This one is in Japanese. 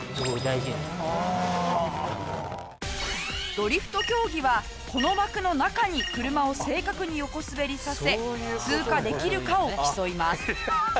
ドリフト競技はこの枠の中に車を正確に横滑りさせ通過できるかを競います。